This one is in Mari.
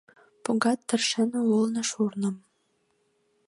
Погат тыршен у вулно шурным.